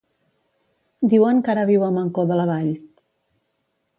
Diuen que ara viu a Mancor de la Vall.